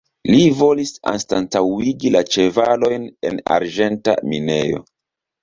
Li volis anstataŭigi la ĉevalojn en arĝenta minejo.